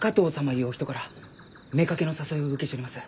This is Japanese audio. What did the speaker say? ゆうお人から妾の誘いを受けちょります。